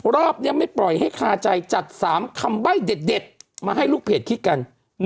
รอบนี้ไม่ปล่อยให้คาใจจัด๓คำใบ้เด็ดมาให้ลูกเพจคิดกัน